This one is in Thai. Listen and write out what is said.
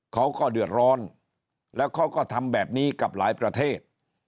เขาก็เดือดร้อนแล้วเขาก็ทำแบบนี้กับหลายประเทศ